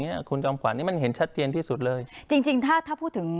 เนี้ยคุณจอมขวัญนี่มันเห็นชัดเจนที่สุดเลยจริงจริงถ้าถ้าพูดถึง